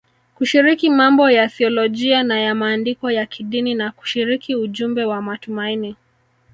kushiriki mambo ya thiolojia na ya maandiko ya kidini na kushiriki ujumbe wa matumaini.